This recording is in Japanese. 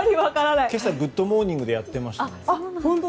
今朝「グッド！モーニング」でやっていました。